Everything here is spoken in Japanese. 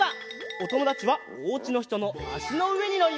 おともだちはおうちのひとのあしのうえにのります。